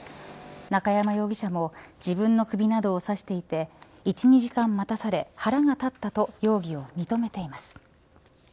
中山容疑者も自分の首などを刺していて１、２時間待たされ腹が立ったと容疑を認めています。